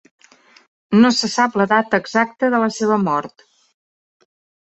No se sap la data exacta de la seva mort.